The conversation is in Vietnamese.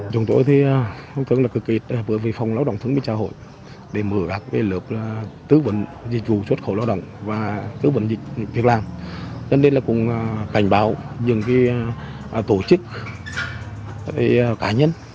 chúng tôi cũng cảnh báo những tổ chức cá nhân